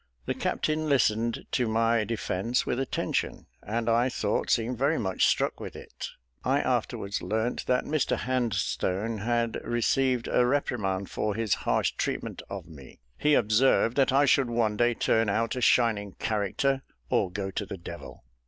The captain listened to my defence with attention, and I thought seemed very much struck with it. I afterwards learnt that Mr Handstone had received a reprimand for his harsh treatment of me; he observed, that I should one day turn out a shining character, or go to the devil.